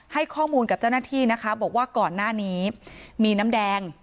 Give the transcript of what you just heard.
ให้ข้อมูลกับเจ้าหน้าที่นะคะบอกว่าก่อนหน้านี้มีน้ำแดง